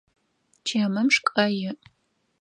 Чэмым шкӏэ иӏ.